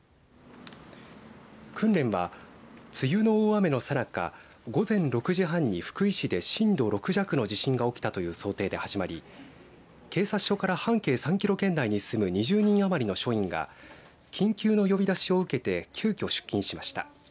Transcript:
訓練は梅雨の大雨のさなか午前６時半に福井市で震度６弱の地震が起きたという想定で始まり警察署から半径３キロ圏内に住む２０人余りの署員が緊急の呼び出しを受けて急きょ出勤しました。